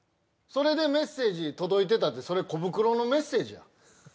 それでメッセージ届いてたってそれコブクロのメッセージやん